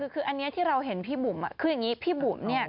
คืออันนี้ที่เราเห็นพี่บุ๋มคืออย่างนี้พี่บุ๋มเนี่ย